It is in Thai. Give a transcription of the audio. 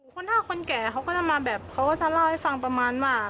คนเท่าคนแก่เขาก็จะมาแบบเขาก็จะเล่าให้ฟังประมาณว่า